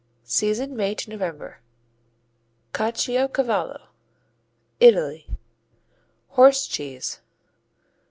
Season May to November. Caciocavallo Italy "Horse Cheese."